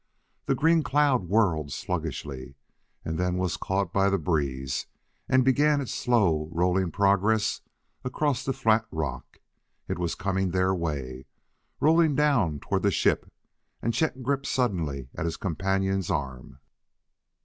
The green cloud whirled sluggishly, then was caught by the breeze and began its slow, rolling progress across the flat rock. It was coming their way, rolling down toward the ship, and Chet gripped suddenly at his companion's arm.